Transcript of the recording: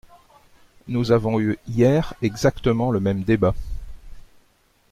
Nous avons eu hier exactement le même débat.